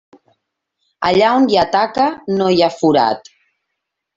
Allà on hi ha taca no hi ha forat.